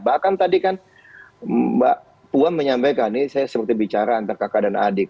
bahkan tadi kan mbak puan menyampaikan ini saya seperti bicara antar kakak dan adik